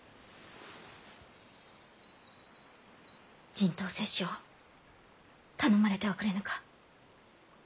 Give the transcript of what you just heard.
人痘接種を頼まれてはくれぬか！